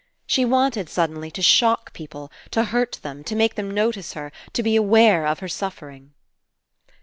She wanted, suddenly, to shock people, to hurt them, to make them notice her, to be aware of her suffering.